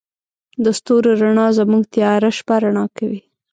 د ستورو رڼا زموږ تیاره شپه رڼا کوي.